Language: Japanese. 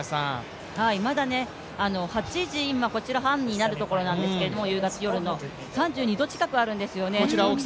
まだ、こちらは夜の８時半になるところなんですけども、３２度近くあるんですよね。